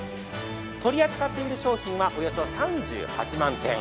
取り扱っている商品はおよそ３８万点。